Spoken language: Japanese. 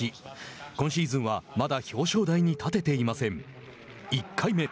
今シーズンはまだ表彰台に立てていません。